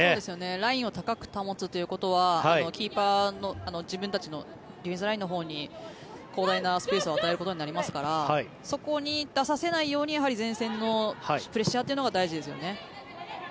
ラインを高く保つということはキーパーの、自分たちのディフェンスラインのほうに広大なスペースを与えることになりますからそこに出させないように前線のプレッシャーというのが大事ですよね。